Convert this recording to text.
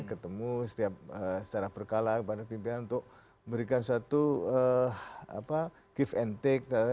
ketemu secara berkala kepada pimpinan untuk memberikan satu give and take